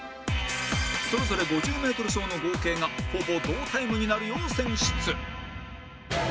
それぞれ５０メートル走の合計がほぼ同タイムになるよう選出